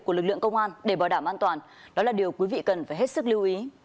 của lực lượng công an để bảo đảm an toàn đó là điều quý vị cần phải hết sức lưu ý